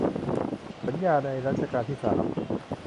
สัญญาในรัชกาลที่สาม